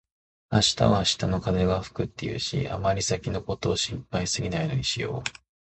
「明日は明日の風が吹く」って言うし、あまり先のことを心配しすぎないようにしよう。